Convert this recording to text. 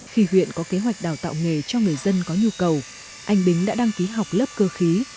khi huyện có kế hoạch đào tạo nghề cho người dân có nhu cầu anh bính đã đăng ký học lớp cơ khí